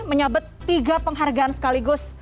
menyabet tiga penghargaan sekaligus